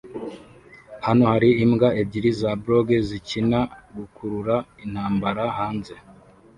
Hano hari imbwa ebyiri za blog zikina gukurura-intambara hanze